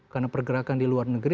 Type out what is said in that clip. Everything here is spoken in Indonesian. karena pergerakan di luar negeri